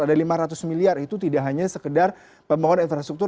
ada lima ratus miliar itu tidak hanya sekedar pemohon infrastruktur